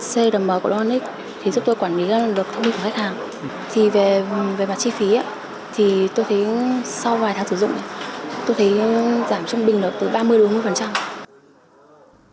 thì về mặt chi phí tôi thấy sau vài tháng sử dụng tôi thấy giảm trung bình từ ba mươi bốn mươi